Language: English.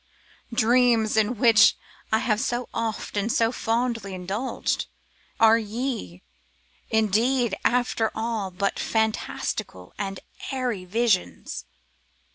Ah! dreams in which I have so oft and so fondly indulged, are ye, indeed, after all, but fantastical and airy visions?